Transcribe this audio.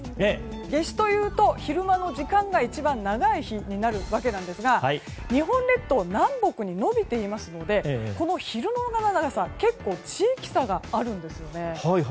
夏至というと昼間の時間が一番長い時間になるわけですが日本列島は南北に伸びていますのでこの昼の長さ結構、地域差があるんですよね。